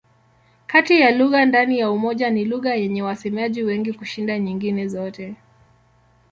Kati ya lugha ndani ya Umoja ni lugha yenye wasemaji wengi kushinda nyingine zote.